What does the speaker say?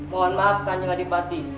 mohon maaf kanjeng adipati